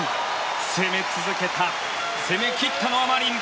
攻め続けた攻め切ったのはマリン。